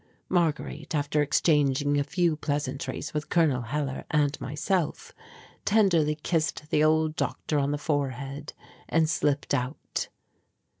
Marguerite, after exchanging a few pleasantries with Col. Hellar and myself, tenderly kissed the old doctor on the forehead, and slipped out.